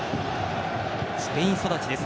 スペイン育ちです。